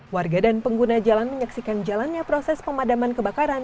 warga dan pengguna jalan menyaksikan jalannya proses pemadaman kebakaran